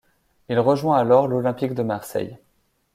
Il rejoint alors l'Olympique de Marseille.